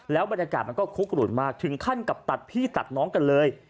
บรรยากาศมันก็คุกหลุนมากถึงขั้นกับตัดพี่ตัดน้องกันเลย